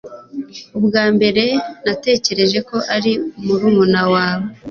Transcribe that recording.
Ubwa mbere, natekereje ko ari murumuna wawe.